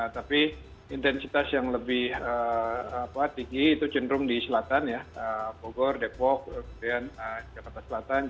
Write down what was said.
tapi intensitas yang lebih tinggi itu cenderung di selatan ya bogor depok kemudian jakarta selatan